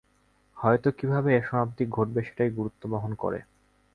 হয়তো কিভাবে এর সমাপ্তি ঘটবে সেটাই গুরুত্ব বহন করে।